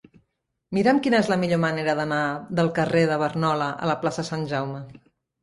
Mira'm quina és la millor manera d'anar del carrer de Barnola a la plaça de Sant Jaume.